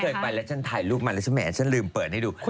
ไม่ลืมไปและฉันถ่ายลูกมาแล้วฉันหมาอยากให้ฉันลืมเปิดให้ดู